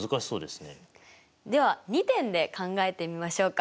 では２点で考えてみましょうか。